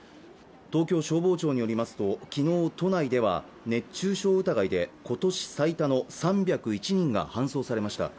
東京消防庁によりますときのう都内では熱中症疑いで今年最多の３０１人が搬送されました